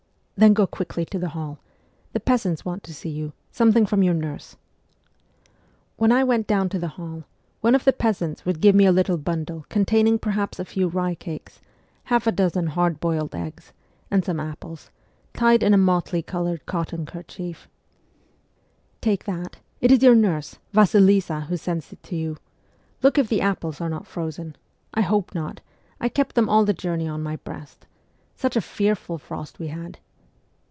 ' Then go quickly to the hall. The peasants want to see you; something from your nurse.' When I went down to the hall, one of the peasants would give me a little bundle containing perhaps a few rye cakes, half a dozen hard boiled eggs, and some apples, tied in a motley coloured cotton kerchief. 44 MEMOIRS OF A REVOLUTIONIST ' Take that : it is your nurse, Vasilisa, who sends it to you. Look if the apples are not frozen. I hope not : I kept them all the journey on my breast. Such a fearful frost we had.'